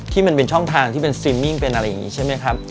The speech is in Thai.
ที่เป็นช่องทางที่เป็นซิมมิ่งเป็นอะไรอย่างนี้ใช่ไหมครับ